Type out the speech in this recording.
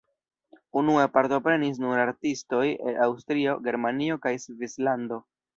Unue partoprenis nur artistoj el Aŭstrio, Germanio kaj Svislando.